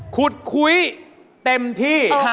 กลับไปก่อนเลยนะครับ